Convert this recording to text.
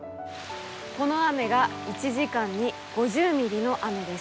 この雨が１時間に５０ミリの雨です。